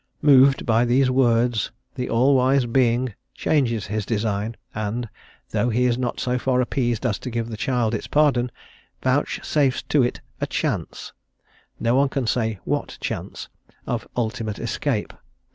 Moved by these words, the all wise Being changes his design; and, though he is not so far appeased as to give the child its pardon, vouchsafes to it a chance, no one can say what chance, of ultimate escape.